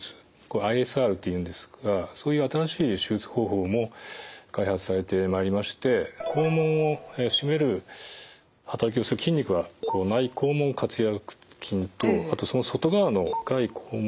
ＩＳＲっていうんですがそういう新しい手術方法も開発されてまいりまして肛門を締める働きをする筋肉は内肛門括約筋とあとその外側の外肛門